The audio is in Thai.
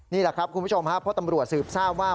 นี่แหละครับคุณผู้ชมครับเพราะตำรวจสืบทราบว่า